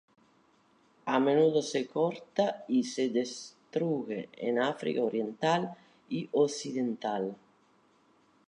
A menudo se corta y se destruye en África oriental y occidental.